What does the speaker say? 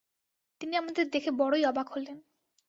তিনি আমাদের দেখে বড়ই অবাক হলেন।